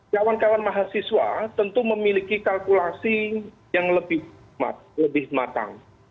kawan kawan mahasiswa tentu memiliki kalkulasi yang lebih matang